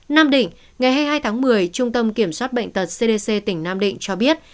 nam định ngày hai mươi hai tháng một mươi trung tâm kiểm soát bệnh tật cdc tỉnh nam định cho biết